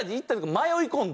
迷い込んだ？